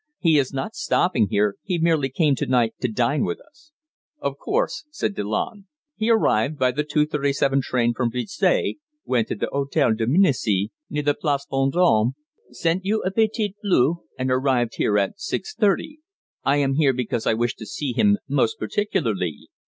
He is not stopping here. He merely came to night to dine with us." "Of course," said Delanne. "He arrived by the 2.37 train from Bruxelles, went to the Hôtel Dominici, near the Place Vendôme, sent you a petit bleu, and arrived here at 6.30. I am here because I wish to see him most particularly.